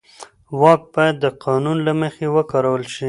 واک باید د قانون له مخې وکارول شي.